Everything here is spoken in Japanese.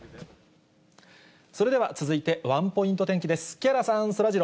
それでは続いてワンポイント天気です。